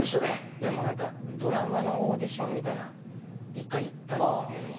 でも何かドラマのオーディションみたいな１回行ったんですけど。